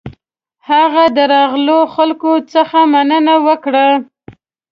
هغه د راغلو خلکو څخه مننه وکړه.